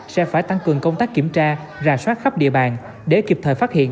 sẽ phải tăng cường công tác kiểm tra rà soát khắp địa bàn để kịp thời phát hiện